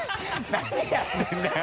何やってるんだよ！